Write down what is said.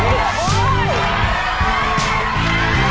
อีสี่ใบทุกนัก